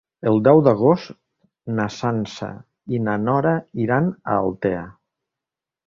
El deu d'agost na Sança i na Nora iran a Altea.